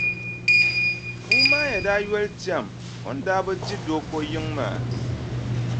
Puumaaya daa yoli tɛm o ni bi di Dooko yiŋa maa.